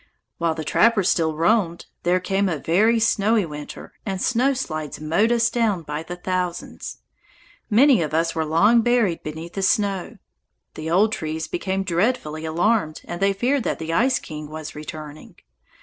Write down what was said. While the trappers still roamed, there came a very snowy winter, and snow slides mowed us down by thousands. Many of us were long buried beneath the snow. The old trees became dreadfully alarmed, and they feared that the Ice King was returning.